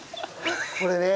これね。